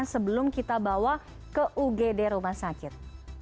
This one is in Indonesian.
sebelum kita bawa ke ugd rumah sakit